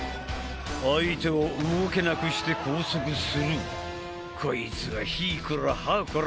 相手を動けなくして拘束するこいつはひーこらはーこら